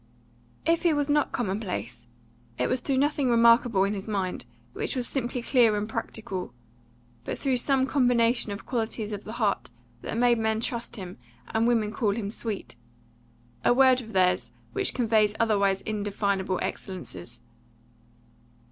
If he was not commonplace, it was through nothing remarkable in his mind, which was simply clear and practical, but through some combination of qualities of the heart that made men trust him, and women call him sweet a word of theirs which conveys otherwise indefinable excellences.